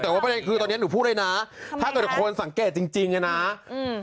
แต่ว่าประเด็นคือตอนเนี้ยหนูพูดเลยนะถ้าเกิดคนสังเกตจริงจริงอ่ะนะอืม